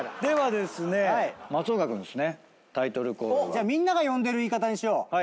じゃあみんなが呼んでる言い方にしよう。